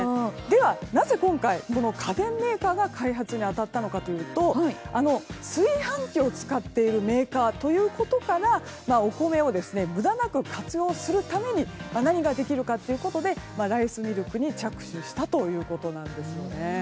では、なぜ今回家電メーカーが開発に当たったのかというと炊飯器を使っているメーカーということからお米を無駄なく活用するために何ができるかということでライスミルクに着手したということなんですよね。